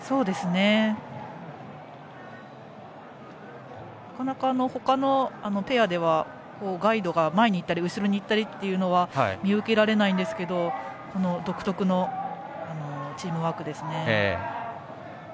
なかなか、ほかのペアではガイドが前に行ったり後ろに行ったりというのは見受けられないんですけども独特のチームワークですね。